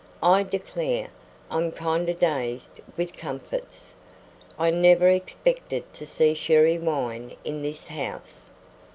I declare I'm kind o' dazed with comforts. I never expected to see sherry wine in this house.